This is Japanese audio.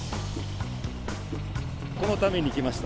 このために来ました。